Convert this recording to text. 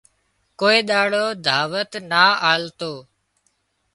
ڪوئي ۮاڙو دعوت نا آلتو